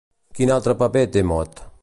Quin altre paper té Mot?